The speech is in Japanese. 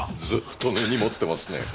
ずっと根に持ってますね